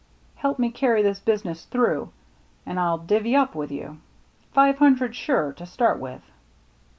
Help me carry this business through, an' I'll divvy up with you — five hundred, sure, to start with."